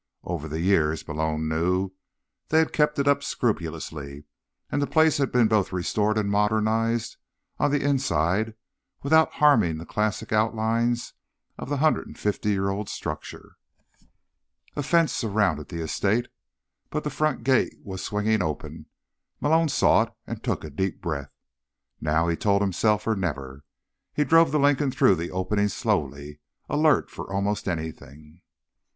Over the years, Malone knew, they had kept it up scrupulously, and the place had been both restored and modernized on the inside without harming the classic outlines of the hundred and fifty year old structure. A fence surrounded the estate, but the front gate was swinging open. Malone saw it and took a deep breath. Now, he told himself, or never. He drove the Lincoln through the opening slowly, alert for almost anything.